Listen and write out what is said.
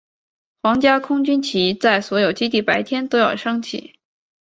皇家空军旗在所有基地白天都要升起。